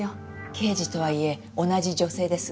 刑事とはいえ同じ女性です。